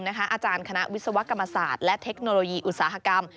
อาจารย์คณะวิศวกรรมศาสตร์และเทคโนโลยีอุตสาหกรรม